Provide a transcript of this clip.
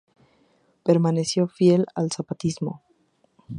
Permaneció fiel al zapatismo.